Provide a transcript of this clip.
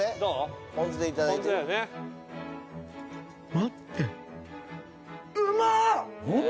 待って。